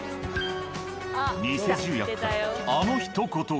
ニセ重役からあのひと言が。